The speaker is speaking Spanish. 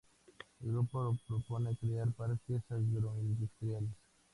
El grupo propone crear parques agroindustriales.